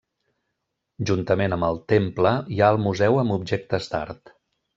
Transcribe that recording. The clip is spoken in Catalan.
Juntament amb el temple, hi ha el museu amb objectes d'art.